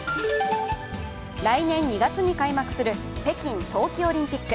来年２月に開幕する北京冬季オリンピック。